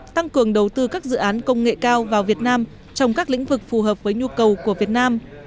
tăng cường đầu tư các dự án công nghệ cao vào việt nam trong các lĩnh vực phù hợp với nhu cầu của việt nam